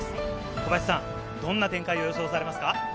小林さん、どんな展開を予想されますか？